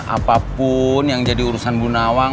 apapun yang jadi urusan bu nawang